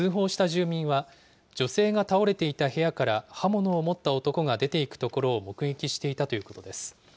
住民は、女性が倒れていた部屋から刃物を持った男が出ていくところを目撃していたということです。